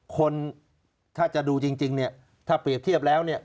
คนถ้าจะดูจริงถ้าเปรียบเทียบแล้ว